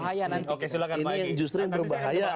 ini yang justru yang berbahaya